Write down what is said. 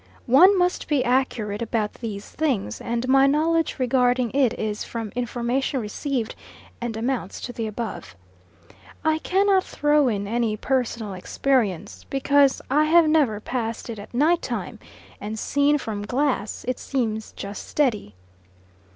One must be accurate about these things, and my knowledge regarding it is from information received, and amounts to the above. I cannot throw in any personal experience, because I have never passed it at night time, and seen from Glass it seems just steady.